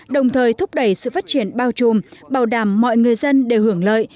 đồng thời thúc đẩy sự phát triển bao trùm bảo đảm mọi người dân đều hưởng lợi